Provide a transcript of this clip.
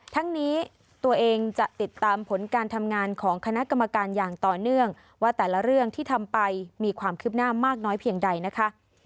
ทั้งนี้ตัวเองจะติดตามผลการทำงานของคณะกรรมการอย่างต่อเนื่องว่าแต่ละเรื่องที่ทำไปมีความคืบหน้ามากน้อยเพียงใดนะคะ